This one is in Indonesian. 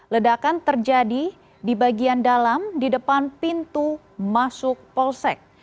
ledakan terjadi di bagian dalam di depan pintu masuk polsek